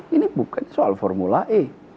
ini bukan soal formula e